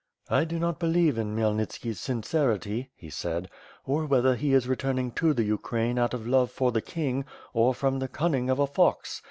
"I do not believe in Khmyelnitski's sincerity/' he said, "or whether he is returning to the Ukraine out of love for the king, or from the cunning of a fox.